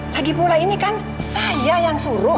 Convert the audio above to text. lagipula ini kan saya yang suruh